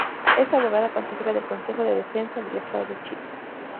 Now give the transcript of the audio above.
Es abogada consejera del Consejo de Defensa del Estado de Chile.